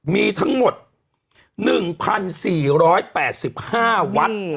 มีทั้งหมด๑๔๘๕วัด